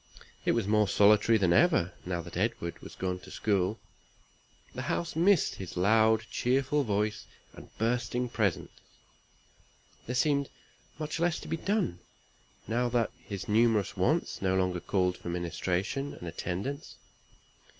It was more solitary than ever, now that Edward was gone to school. The house missed his loud cheerful voice, and bursting presence. There seemed much less to be done, now that his numerous wants no longer called for ministration and attendance.